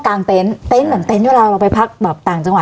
เต็นต์เต็นต์เหมือนเต็นต์เวลาเราไปพักแบบต่างจังหวัด